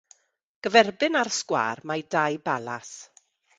Gyferbyn â'r sgwâr mae dau balas.